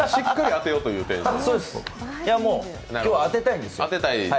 そうです、今日は当てたいんですよ。